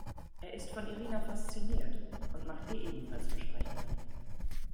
Er ist von Irina fasziniert und macht ihr ebenfalls Versprechungen.